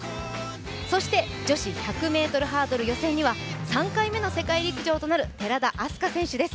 そして、女子１００ｍハードル予選には、３回目の世界陸上となる寺田明日香選手です。